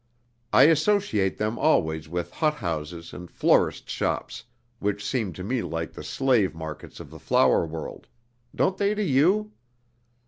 I associate them always with hot houses and florists' shops, which seem to me like the slave markets of the flower world don't they to you?